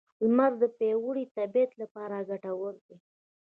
لمر د پیاوړې طبیعت لپاره ګټور دی.